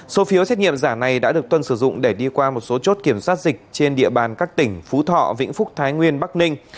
số phiếu xét nghiệm giả này đã được tuân sử dụng để đi qua một số chốt kiểm soát dịch trên địa bàn các tỉnh phú thọ vĩnh phúc thái nguyên bắc ninh